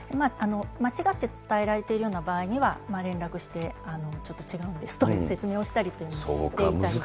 間違って伝えられているような場合には、連絡して、ちょっと違うんですという説明をしたりというのもしていたり。